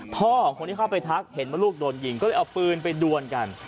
พ่อของคนที่เข้าไปทักเห็นว่าลูกโดนยิงก็เลยเอาปืนไปดวนกัน